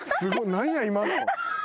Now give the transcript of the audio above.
何や今の。